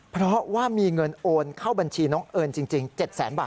เพราะว่ามีเงินโอนเข้าบัญชีน้องเอิญจริง๗แสนบาท